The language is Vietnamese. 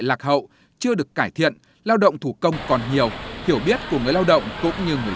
lạc hậu chưa được cải thiện lao động thủ công còn nhiều hiểu biết của người lao động cũng như người